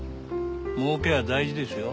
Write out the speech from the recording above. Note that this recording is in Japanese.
儲けは大事ですよ。